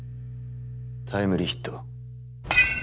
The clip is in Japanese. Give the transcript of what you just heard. タイムリーヒットを。